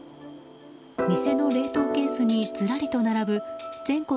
店の冷凍ケースにずらりと並ぶ全国